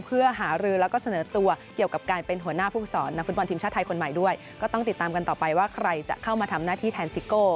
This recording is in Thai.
เพื่อหารือและเสนอตัวเกี่ยวกับการเป็นหัวหน้าฟุกุศัล